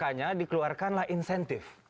makanya dikeluarkanlah insentif